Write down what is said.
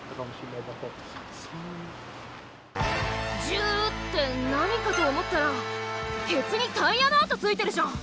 「ジュー」って何かと思ったらケツにタイヤの跡ついてるじゃん。